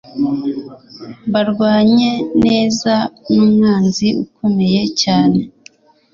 Barwanye neza n'umwanzi ukomeye cyane